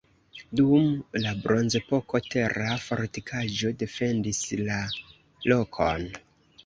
Dum la bronzepoko tera fortikaĵo defendis la lokon.